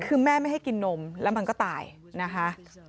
คือแม่ไม่ให้กินนมแล้วมันก็ตายนะคะ